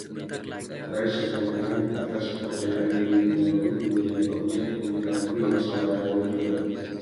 Brash, kecantikan atas kepercayaan diri Franny, menjadi objek yang dikagumi oleh saudaranya, John.